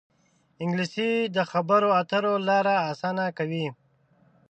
انګلیسي د خبرو اترو لاره اسانه کوي